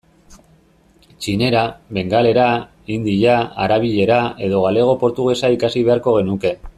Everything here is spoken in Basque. Txinera, bengalera, hindia, arabiera, edo galego-portugesa ikasi beharko genuke.